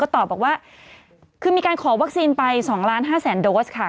ตอบบอกว่าคือมีการขอวัคซีนไป๒๕๐๐๐โดสค่ะ